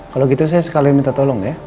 kalau gitu saya sekali minta tolong ya